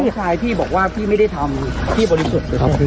ในบังชายพี่บอกว่าพี่ไม่ได้ทำที่บริสุทธิ์